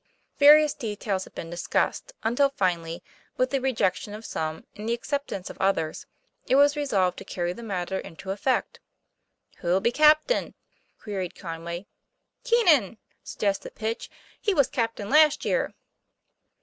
Various details had been discussed, until finally, with the rejection of some and the acceptance of others, it was resolved to carry the matter into effect. "Who'll be captain?" queried Conway. "Keenan!" suggested Pitch. " He was captain last year."